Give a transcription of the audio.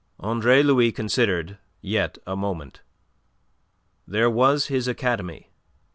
Andre Louis considered yet a moment. There was his academy.